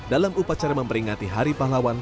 dalam upacara memperingati hari pahlawan